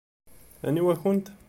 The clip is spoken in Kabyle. Aniwa-kent?